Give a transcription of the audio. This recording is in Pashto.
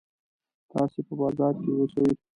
تاسې په بازار کې اوسئ.